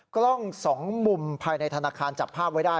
กล้องสองมุมภายในธนาคารจับภาพไว้ได้